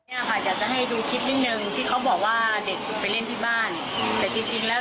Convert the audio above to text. เนี่ยค่ะอยากจะให้ดูคลิปนิดนึงที่เขาบอกว่าเด็กไปเล่นที่บ้านแต่จริงจริงแล้ว